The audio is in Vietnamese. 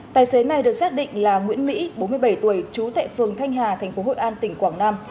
tài xế này được xác định là nguyễn mỹ bốn mươi bảy tuổi trú thệ phường thanh hà tp hội an tỉnh quảng nam